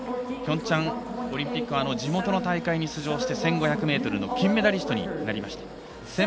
平昌オリンピックは地元の大会に出場して１５００ｍの金メダリストになりました。